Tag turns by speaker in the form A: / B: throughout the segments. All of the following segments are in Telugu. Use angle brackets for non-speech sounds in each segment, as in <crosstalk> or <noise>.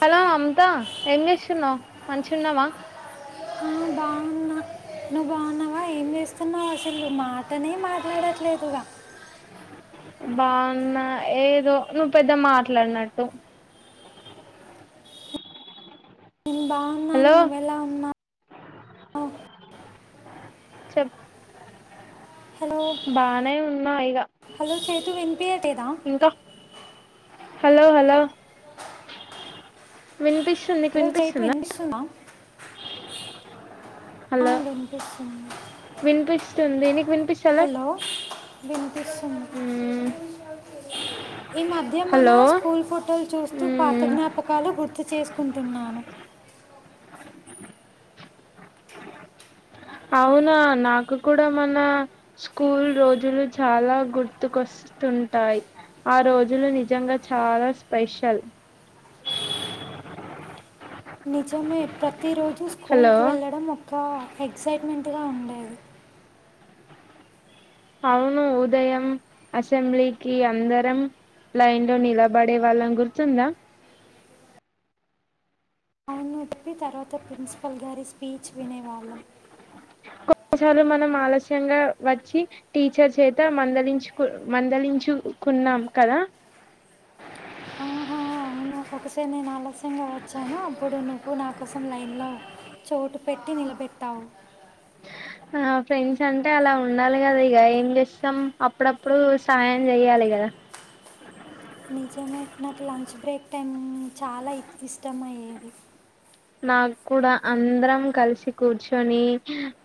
A: హలో అంతా ఎం చేస్తున్నావు్ మంచి ఉన్నావా
B: ఆ, బాగున్నా నువ్వు బాగున్నావా ఏం చేస్తున్నావు అసలు మాటనే మాట్లాడట్లేదుగా
A: బాగున్నా ఏదో నువ్వు పెద్దమ్మ మాట్లాడినట్టు
B: నేను బాగున్నాను
A: హలో
B: నువ్వెలా ఉన్నవ్
A: చెప్ప
B: హలో
A: బానే ఉం ఉనా ఇగా
B: హలో సేతు విన్పియాటేలేదా
A: హలో హలో వినపి
B: హలో చైతుూ విన్పిస్తుందా ఆ,
A: హలో
B: వినిపిస్తుంది
A: వినిపిస్తుంది నీకు వినిపిస్తు
B: హలో వినిపిస్తుంది
A: మ్మ్
B: ఈ మధ్య మన
A: హలో
B: స్కూల్ ఫోటోలు చూస్తూ పాత
A: మ్మ్
B: జ్ఞాపకాలు గుర్తు చేసు కుంటున్నాను
A: అవునా నాకు కూడా మన స్కూల్ రోజులు చాలా గుర్తుకొస్తుంటాయి ఆ రోజులు నిజంగా చాలా స్పెషల్
B: నిజమే ప్ర ప్రతి రోజు స్కూల్
A: హలో
B: కి వెళ్లడం ఒక ఎక్సైట్మెంట్ స్ట్రైట్ ఉండేది
A: అవును ఉదయం అసెంబ్లీకి అందరం లైన్లో నిలబడేవాలాం గుర్తుందా
B: చెదప్పి తర్వాత ప్రిన్సిపల్ గారి స్పీచ్ వినేవాళ్ళం
A: కొన్నిసార్లు మనం ఆలస్యంగా వచ్చి టీచర్ చేత మందలించుకు మందలించుకున్నాం కదా
B: ఆహా నాకుకసారి నేను ఆలస్యంగా వచ్చాను అప్పుడు నువ్వు నాకోసం లైన్లో చోటు పెట్టి నిలబెట్టావు
A: ఆ ఫ్రెండ్స్ అంటే అలా ఉండాలి కదా ఇక ఏం చేస్తాం అప్పుడప్పుడు సహాయం చేయాలి కదా
B: నిజమే నాకు లంచ్ బ్రేక్ టైం చాలా ఇ ఇష్టమ అయ్యేది
A: నాకు కూడా అందరం కలిసి కూర్చొని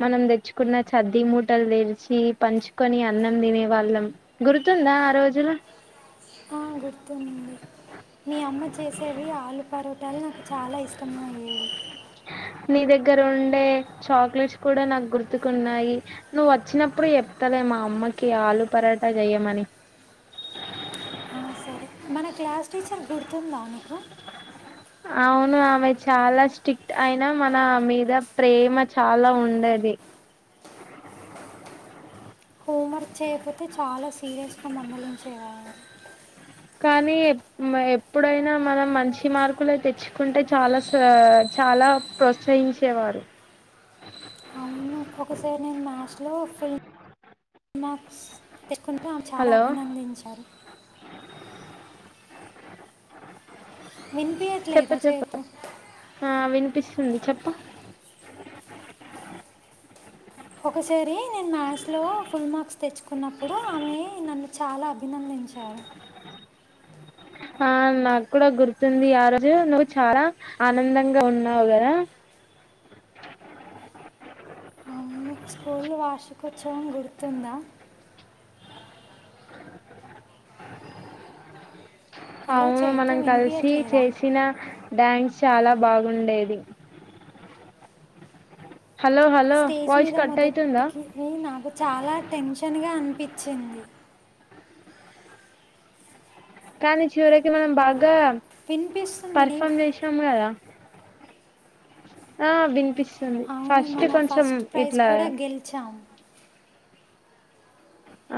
A: మనం తెచ్చుకున్న చద్ది మూటలు తెరిచి పంచుకొని అన్నం తినే వాళ్ళం గుర్తుందా ఆ రోజులు
B: ఆ! గుర్తుంది మీ అమ్మ చేసేవి ఆలు పరోటాలు నాకు చాలా ఇష్టమ అయ్యేవి
A: నీ దగ్గర ఉండే చాక్లెట్స్ కూడా నాకు గుర్తుకున్నాయి నువ్వు వచ్చినప్పుడు చెప్తలే మా అమ్మకి ఆలు పరాటా చెయమని
B: ఆ! సరే. మన క్లాస్ టీచర్ గుర్తుందానికి
A: <inaudible> అవును ఆమె చాలా స్ట్రిక్ట్ అయినా మన మీద ప్రేమ చాలా ఉండది <inaudible>
B: హోంవర్క్ చేయకపోతే చాలా సీరియస్గా మందులించేవాలు
A: కానీ ఎప్పుడైనా మనం మంచి మార్కులు తెచ్చుకుంటే చాలా చాలా ప్రోత్సహించేవారు
B: అవును. ఒకసారి నేను మ్యాథ్స్ లో ఫుల్ మ్యాథ్స్ పెట్టుకుంటే చాలా
A: హలో
B: అభినందించారు
A: చెప్పు
B: వినిపిఎట్లేదా చైతూ
A: ఉంది చెప్పు
B: ఒకసారి నేను మ్యాథ్స్లో ఫుల్ మార్క్స్ తెచ్చుకున్నప్పుడు ఆమె నన్ను చాలా అభినందించారు
A: ఆ నాకు కూడా గుర్తుంది ఆ రోజు నువ్వు చాలా ఆనందంగా ఉన్నావు కదా
B: ఆమె మీకు స్కూల్ వార్షికోత్సవం గుర్తుందా హలో
A: అవును
B: చైతు
A: మనం కలిసి
B: వినిపించట్లేదా
A: చేసిన డ్యాన్స్ చాలా బాగుండేది హలో హలో
B: స్టేజ్
A: వాయిస్
B: మీద
A: కట్ అయితుందా
B: మొదటికి నాకు చాలా టెన్షన్ క్షనగా అనిపించింది
A: కానీ చివరకి మనం బా ఇకా
B: వినిపిస్తుంది నీ
A: పర్ఫామ్ చేసాము కదా ఆ విన్పిస్ ఉంది
B: అవును
A: ఫస్ట్
B: మన
A: కొంచెం
B: ఫస్ట్ ప్రైజ్
A: ఇట్లా
B: కూడా గెలిచాం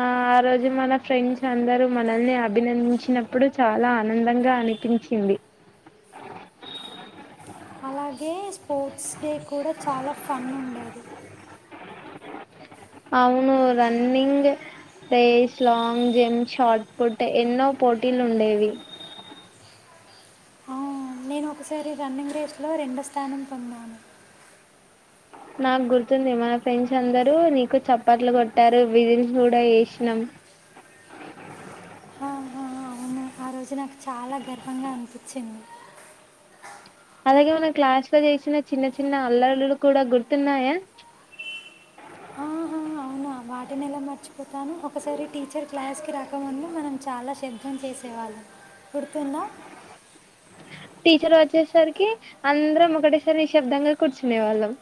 A: ఆ ఆ రోజు మన ఫ్రెండ్స్ అందరూ మనల్ని అభినందించినప్పుడు చాలా ఆనందంగా అనిపించింది
B: అలాగే స్పోర్ట్స్ డే కూడా చాలా ఫన్ ఉండేది
A: అవును running race long jump shot put ఎన్నో పోటీలు ఉండేవి
B: ఆ, నేను ఒకసారి రన్నింగ్ రేస్లో రెండో స్థానం పొందాను
A: నాకు గుర్తుంది మన ఫ్రెండ్స్ అందరూ నీకు చప్పట్లు కొట్టారు విసిల్స్ కూడా ఏషినం
B: ఆహా, అవునా ఆ రోజు నాకు చాలా గర్వంగా అనిపిచ్చింది
A: అలాగే మన క్లాస్ లో చేసిన చిన్న చిన్న అల్లరులు కూడా గుర్తున్నాయా
B: వాటినెలా మర్చిపోతాను ఒకసారి టీచర్ క్లాస్ కి రాకముందు మనం చాలా శబ్దం చేసేవాళ్ళం గుర్తుందా
A: టీచర్ వచ్చేసరికి అందరం ఒకటేసారి నిశబ్దంగా కూర్చునే వాళ్ళం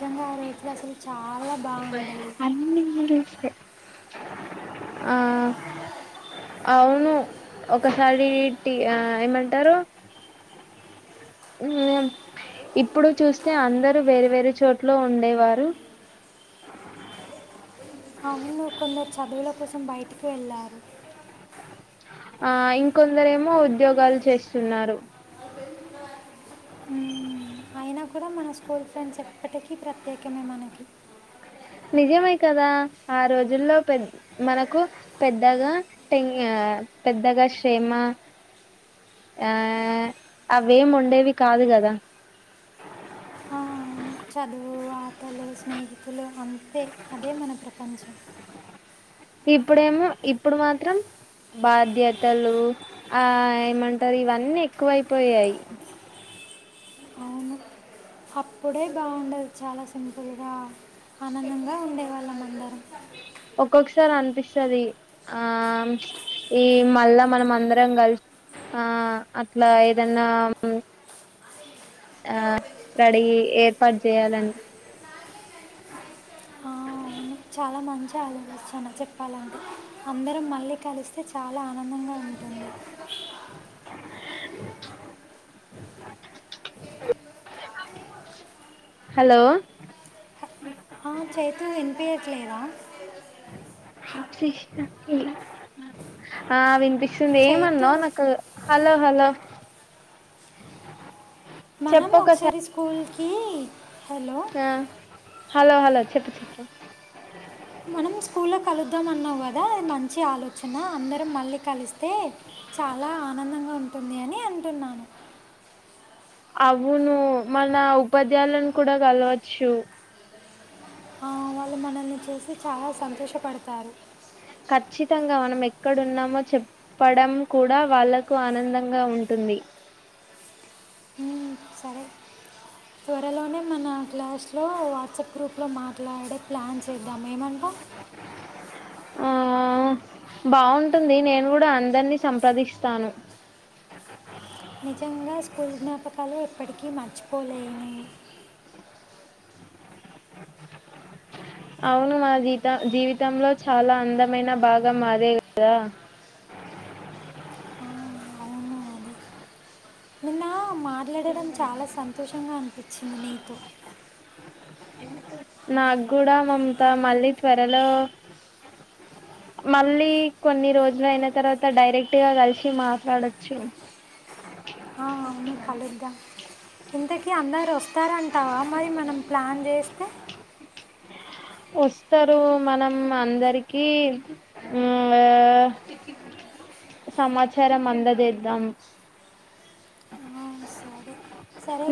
B: ఖ్యంగా ఆ రోజులు అసలు చాలా బాగుండేవి
A: అన్ని ఇంగ్లీషే ఆ అవును ఒకసారి టి ఏమంటారు ఇప్పుడు చూస్తే అందరూ వేరే వేరే చోటులో ఉండేవారు
B: అవును కొందరు చదువుల కోసం బయటికి వెళ్ళారు
A: ఆ ఇంకొందరేమో ఉద్యోగాలు చేస్తున్నారు
B: మ్మ్, అయినా కూడా మన స్కూల్ ఫ్రెండ్స్ ఎప్పటికీ ప్రత్యేకమే మనకి
A: నిజమే కదా ఆ రోజుల్లో పె మనకు పెద్దగా టె పెద్దగా శ్రెమ ఆ అవేం ఉండేవి కాదు కదా
B: ఆ, అవును చదువు వార్తలు స్నేహితులు అంతే అదే మన ప్రపంచం
A: ఇప్పుడేమో ఇప్పుడు మాత్రం బాధ్యతలు, ఆ ఏమంటారు ఇవన్నీ ఎక్కువయిపోయాయి.
B: అవును అప్పుడే బాగుండదు చాలా సింపుల్గా ఆనందంగా ఉండేవాళ్ళం అందరం
A: ఒక్కొక్కసారి అనిపిస్తది, ఆ ఈ మళ్ళా మనం అందరం కలిసి ఆ అట్లా ఏదనా ఆ అడిగి ఏర్పాటు చేయాలని
B: ఆ, అవును చాలా మంచిగా ఆదుపిస్తాను చెప్పాలంటే అందరం మళ్ళీ కలిస్తే చాలా ఆనందంగా ఉ
A: హలో
B: అ చైతూ వినిపేట్లేద
A: ఆ విన్ <unintelligible>
B: చైతు
A: ఏమన్నావు నాకు హలో హలా
B: మనం ఒకసారి స్కూల్ కీ హలో
A: హలో హలో చెప్పు చెప్పు
B: మనం స్కూల్లో కలుద్దాం అన్నావు కదా, మంచి ఆలోచన అందరం మళ్ళీ కలిస్తే, చాలా ఆనందంగా ఉంటుంది అని అంటున్నాను.
A: అవును మన ఉపాధ్యాయులను కూడా కలవచ్చు
B: ఆ, వాళ్ళు మనల్ని చూసి చాలా సంతోషపడతారు
A: ఖచ్చితంగా మనం ఎక్కడున్నామో చెప్పడం కూడా వాళ్ళలకు ఆనందంగా ఉంటుంది
B: మ్మ్, సరే త్వరలోనే మన క్లాస్లో వాట్సాప్ గ్రూప్లో మాట్లాడే ప్లాన్ చేద్దాం ఏమంటా
A: ఆ బాగుంటుంది నేను కూడా అందరినీ సంప్రదిస్తాను
B: నిజంగా స్కూల్ జ్ఞాపకాలే ఎప్పటికీ మర్చిపోలేని
A: అవును మా జీత జీవితంలో చాలా అందమైన భాగం అదే కదా
B: ఆ, అవును మాట్లాడటడం చాలా సంతోషంగా అనిపించింది నీతో
A: నాకు కూడా మమతా మళ్ళీ త్వరలో మళ్ళీ కొన్ని రోజులు అయిన తర్వాత డైరెక్ట్గా కలిసి మాట్లాడచ్చు
B: హు కలుద్దాం ఇంతకి అందరు వస్తారన్ తావా మరి మనం ప్లాన్ చేస్తే
A: వస్తారు మనం అందరికి హ్ ఆ సమాచారం అంద చేద్దాం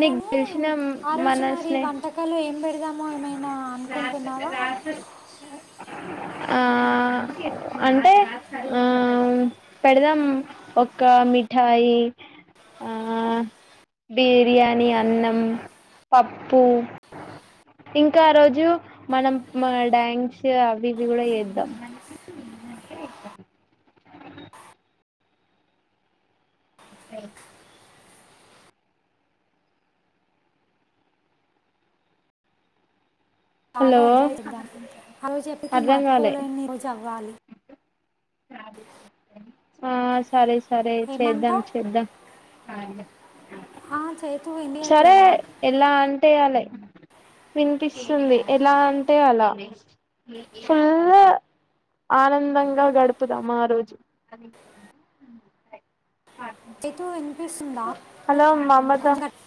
A: నీకు తెలిసిన
B: ఆ రోజు
A: మన
B: మరి
A: స్నే
B: వంటకాలు ఏం పెడదాం ఏమో ఏమైనా అనుకుంటున్నారా
A: ఆ అంటే ఆ పెడదాం ఒక మిఠాయి, ఆ బిర్యానీ, అన్నం, పప్పు. ఇంకా ఆ రోజు మనం మ డ్యాంస్ అవి ఇవి కూడా చేద్దాం పే
B: బాగా
A: హలో
B: ఎంజాయ్ అ చేద్దాం, ఆ రోజు ఎప్పకి
A: అర్ధం కాలే
B: మర్చిపోలేని రోజు అవ్వాలి
A: ఆ సరే సరే చేద్దాం
B: ఏమంటావ్
A: చేద్దాం హాయిగా
B: ఆ చేతు
A: సరే
B: వినిపించట్లేదా
A: ఎలా అంటేయాలి వినిపిస్తుంది ఎలా అంటే అలా ఫుల్లు ఆనందంగా గడుపుదాం ఆ రోజు
B: చైతు ఇన్ పిస్తుందా
A: హలో మమత
B: కొంచెం కట్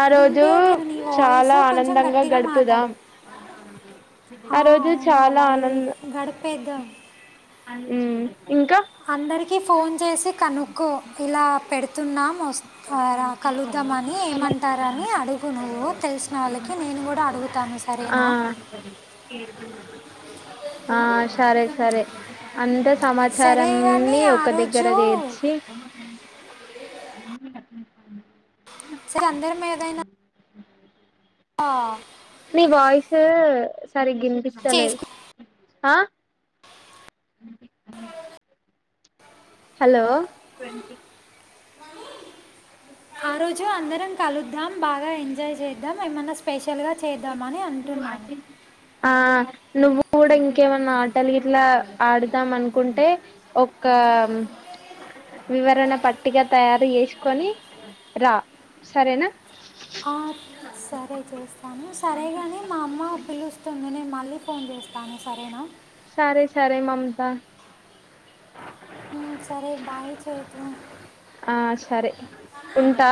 A: ఆ రోజు
B: వినిపీయట్లా నీ వాయిస్
A: చాలా
B: కొంచెం
A: ఆనందంగా
B: గట్టిగా మాట్లాడు
A: గడుపుదాం
B: ఆ
A: రోజు
B: అవును
A: చాలా
B: అలాగే గడిపేద్దాం
A: హ్మ్ ఇంకా
B: అందరికి ఫోన్ చేసి కనుక్కో ఇలా పెడు తుందా మస్తు ఆ రా కలుద్దామని ఏమంటారని అడుగు నువ్వు తెలిసినోళ్ళకి నేను కూడా అడుగు
A: ఆ ఆ సరే సరే అంత
B: సరే కానీ
A: సమాచారాన్ని
B: ఆ
A: ఒక దగ్గర
B: రోజు
A: చేర్చి
B: సరే అందర మీ ఏదైనా ఆ
A: నీ వయిసు సరి గినిపిచాల
B: చేసుకు
A: ఆా అ అ హలో
B: ఆ రోజు అందరం కలుద్దాం బాగా ఎంజాయ్ చేద్దాం ఏమన్నా స్పెష చ్చలుగా చేద్దామని అంటున్నాను
A: ఆ నువ్వు కూడా ఇంకేమన్నా ఆటలు ఇట్లా ఆడుదాం అనుకుంటే ఒక వివరణ పట్టిగా తయారు చేసుకొని రా సరేనా
B: ఆ, సరే చేస్త తనుం సరేగానే మా అమ్మ పిలుస్తుంది నేను మళ్ళీ ఫోన్ చేస్తాను సరేనా
A: సారే సారే మమత
B: సరే బాయ్ చెతు
A: ఆ సరే ఉంటా